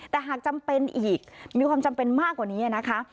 แต่หากจำเป็นอีกมีความจำเป็นมากกว่านี้นะคะ